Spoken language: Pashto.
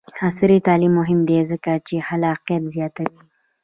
عصري تعلیم مهم دی ځکه چې خلاقیت زیاتوي.